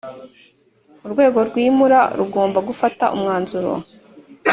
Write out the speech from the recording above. urwego rwimura rugomba gufata umwanzuro